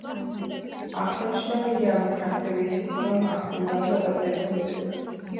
აღსანიშნავია ასევე ისიც, რომ აქტიურად წერდა ლექსებსა.